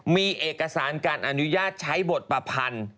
มีเอกสารการอนุญาตใช้บทประพันธ์